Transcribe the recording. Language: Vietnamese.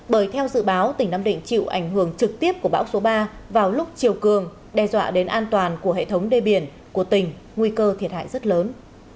bởi theo dự báo tỉnh nam định chịu ảnh hưởng trực tiếp của bão số ba vào lúc chiều cường đe dọa đến an toàn của hệ thống đê biển của tỉnh nguy cơ thiệt hại rất lớn